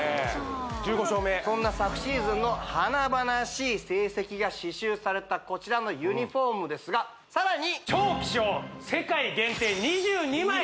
１５勝目そんな昨シーズンの華々しい成績が刺しゅうされたこちらのユニフォームですがさらにえっ！？